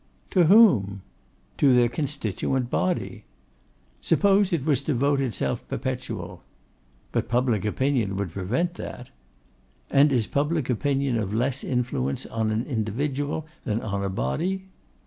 'To whom?' 'To their constituent body.' 'Suppose it was to vote itself perpetual?' 'But public opinion would prevent that.' 'And is public opinion of less influence on an individual than on a body?